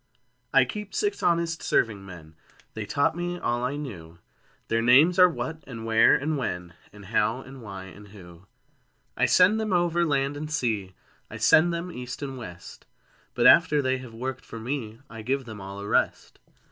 I Keep six honest serving men: (They taught me all I knew) Their names are What and Where and When And How and Why and Who. I send them over land and sea, I send them east and west; But after they have worked for me, I give them all a rest.